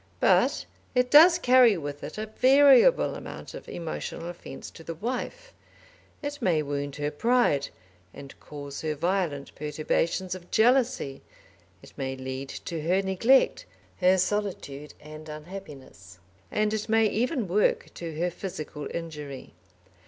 But it does carry with it a variable amount of emotional offence to the wife; it may wound her pride and cause her violent perturbations of jealousy; it may lead to her neglect, her solitude and unhappiness, and it may even work to her physical injury.